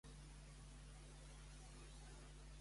A quina figura es refereix també el nom de Partènope?